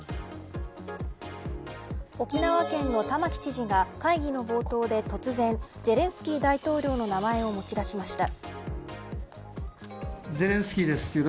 沖縄県の玉城知事が会議の冒頭で突然ゼレンスキー大統領名前を持ち出しました。